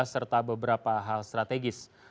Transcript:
serta beberapa hal strategis